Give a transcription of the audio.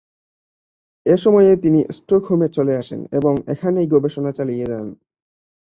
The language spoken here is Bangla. এ সময়ই তিনি স্টকহোমে চলে আসেন এবং এখানেই গবেষণা চালিয়ে যান।